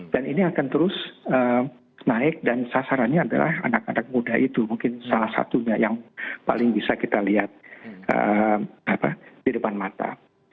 dan ini akan terus naik dan sasarannya adalah anak anak muda itu mungkin salah satunya yang paling bisa kita lihat di depan mata